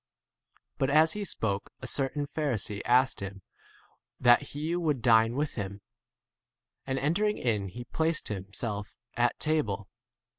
3 7 But as he spoke a certain Pha risee asked him that he would dine with him ; and entering in he 88 placed himself at table.